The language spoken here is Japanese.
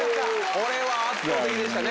これは圧倒的でしたね。